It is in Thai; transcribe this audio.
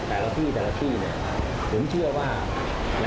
แต่ละที่เนี่ยผมเชื่อว่า